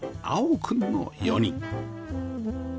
碧くんの４人